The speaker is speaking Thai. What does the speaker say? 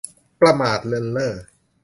ประมาทเลินเล่อ